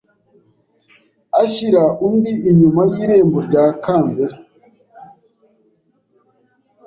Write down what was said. ashyira undi inyuma y’irembo rya kambere